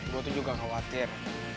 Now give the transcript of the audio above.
gue tuh juga khawatir